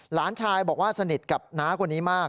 หลานชายบอกว่าสนิทกับน้าคนนี้มาก